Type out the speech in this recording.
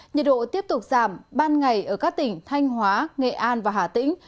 nhiệt độ tiếp tục giảm ban ngày ở các tỉnh thanh hóa nghệ an và hà tĩnh